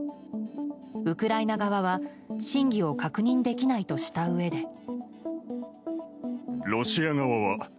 ウクライナ側は真偽を確認できないとしたうえで。